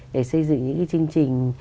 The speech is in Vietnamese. để xây dựng những cái chương trình